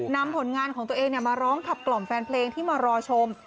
นำผลงานของตัวเองมาร้องขับกล่อมแฟนเพลงที่มารอชม